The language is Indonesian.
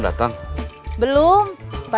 tidak ada apa apa